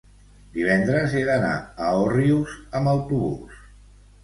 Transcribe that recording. divendres he d'anar a Òrrius amb autobús.